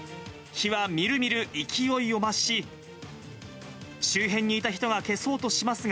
火はみるみる勢いを増し、周辺にいた人が消そうとしますが、